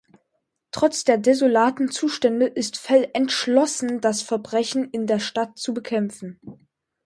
Trotz der desolaten Zustände ist Fell entschlossen das Verbrechen in der Stadt zu bekämpfen.